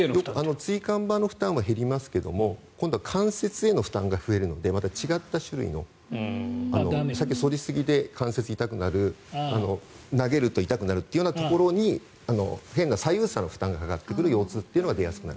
椎間板の負担は減りますが今度、関節への負担が増えるのでまた違った種類のさっきは反りすぎで関節が痛くなる投げると痛くなるというところに変な左右差がかかってくる腰痛というのが出やすくなる。